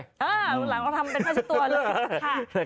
อ่าหลังเราทำเป็นพัชตัวด้วย